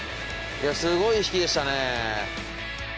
いやすごい引きでしたね。